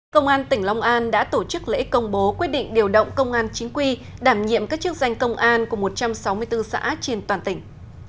công an tỉnh long an đã tổ chức lễ công bố quyết định điều động công an chính quy đảm nhiệm các chức danh công an của một trăm sáu mươi bốn xã trên toàn tỉnh